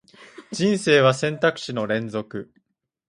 人生は選択肢の連続